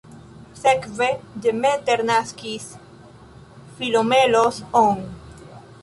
Sekve Demeter naskis Philomelos-on.